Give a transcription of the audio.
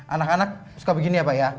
anak anak suka begini apa ya